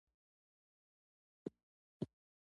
کورس د پوهې خزانې ته دروازه ده.